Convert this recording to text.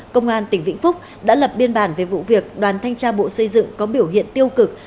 công an tỉnh vĩnh phúc đã lập biên bản về vụ việc đoàn thanh tra bộ xây dựng có biểu hiện tiêu cực